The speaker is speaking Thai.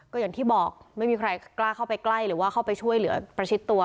ก็อย่างที่บอกไม่มีใครกล้าเข้าไปใกล้หรือว่าเข้าไปช่วยเหลือประชิดตัว